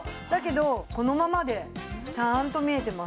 どこのままでちゃんと見えてます。